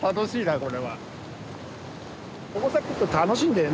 ここさ来ると楽しいんだよね。